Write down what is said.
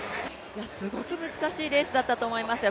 すごく難しいレースだったと思いますよ。